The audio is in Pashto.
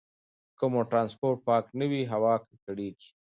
که مو ټرانسپورټ پاک نه وي، هوا ککړېږي.